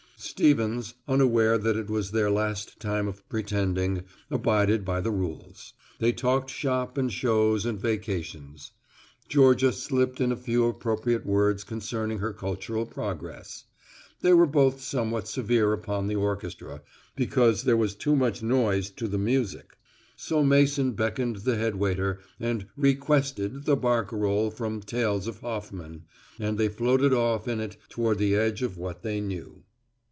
Stevens, unaware that it was their last time of pretending, abided by the rules. They talked shop and shows and vacations. Georgia slipped in a few appropriate words concerning her cultural progress. They were both somewhat severe upon the orchestra, because there was too much noise to the music, so Mason beckoned the head waiter and "requested" the barcarole from Tales of Hoffman, and they floated off in it toward the edge of what they knew.